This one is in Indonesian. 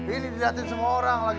ini dilihatin semua orang lagi